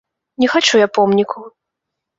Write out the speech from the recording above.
Не хачу я помнікаў.